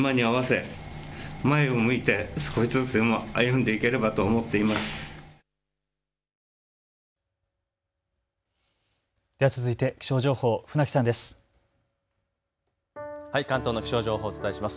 では続いて気象情報、船木さんです。